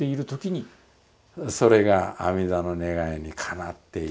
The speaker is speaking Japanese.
それが阿弥陀の願いにかなっている。